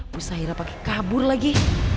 busah ira pake kabur lagi